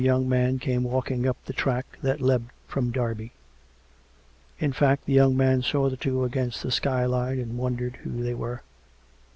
young man came walking up the track that led from Derby. In fact, the young man saw the two against the skyline and wondered who they were.